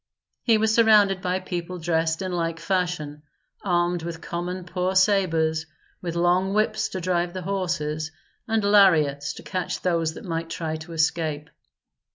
He was surrounded by people dressed in like fashion, armed with common poor sabres, with long whips to drive the horses, and lariats to catch those that might try to escape.